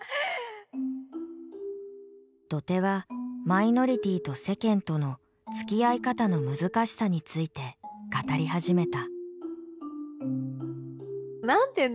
どてはマイノリティーと世間とのつきあい方の難しさについて語り始めた。